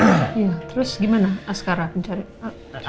ya terus gimana askara